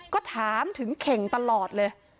ก็ถามถึงเข่งตลอดเลย